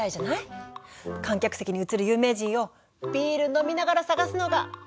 観客席に映る有名人をビール飲みながら探すのが好きなんだよねぇ！